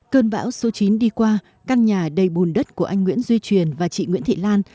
cơn bão số chín đi qua căn nhà đầy bùn đất của anh nguyễn duy truyền và chị nguyễn thị lan